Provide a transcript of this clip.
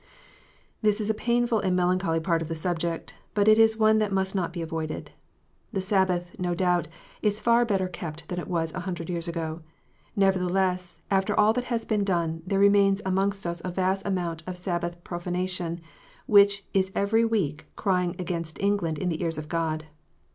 This is a painful and melancholy part of the subject ; but it is one that must not be avoided. The Sabbath, no doubt, is far better kept than it was a hundred years ago. Nevertheless, after all that has been done, there remains amongst us a vast amount of Sabbath profanation, which is every week crying against England in the ears of God.